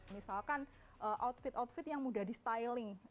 misalkan outfit outfit yang mudah distyling